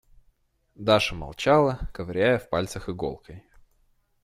Даша молчала, ковыряя в пяльцах иголкой.